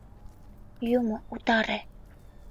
Юмо утаре!